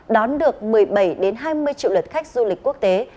đón được một mươi bảy hai mươi triệu lượt khách du lịch quốc tế